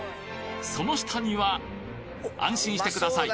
その下には安心してください。